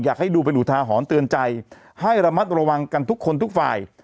อยากให้ดูเป็นอุทาหรณ์เตือนใจให้ระมัดระวังกันทุกคนทุกฝ่าย